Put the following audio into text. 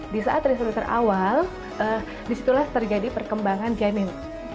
di saat tiga semester awal disitulah terjadi perkembangan janin